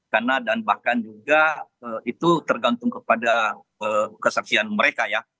karena dan bahkan juga itu tergantung kepada kesaksian mereka ya